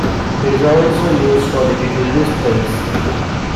It is also used for digital displays.